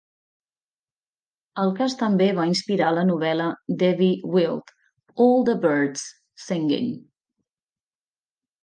El cas també va inspirar la novel·la d'Evie Wyld 'All The Birds, Singing'.